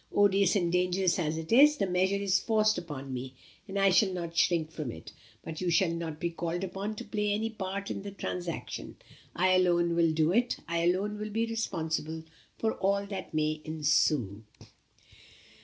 Odious and dangerous as it is, the measure is forced upon me, and I shall not shrink from it. But you shall not be called upon to play any part in the transaction. I alone will do it. I alone will be responsible for all that may ensue."